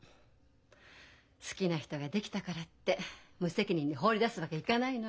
好きな人ができたからって無責任に放り出すわけいかないのよ。